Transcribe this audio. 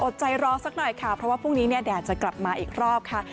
ใจรอสักหน่อยค่ะเพราะว่าพรุ่งนี้เนี่ยแดดจะกลับมาอีกรอบค่ะ